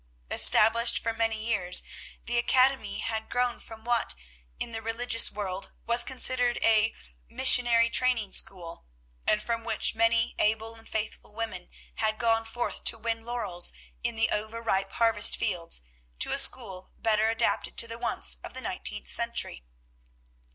Established for many years, the academy had grown from what, in the religious world, was considered a "missionary training school," and from which many able and faithful women had gone forth to win laurels in the over ripe harvest fields, to a school better adapted to the wants of the nineteenth century.